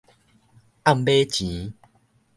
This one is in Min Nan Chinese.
暗碼錢